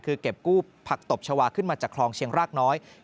คือเก็บกู้ผักตบชาวาขึ้นมาจากคลองเชียงรากน้อย